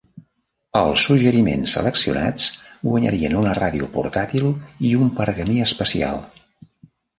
Els suggeriments seleccionats guanyarien una ràdio portàtil i un pergamí especial.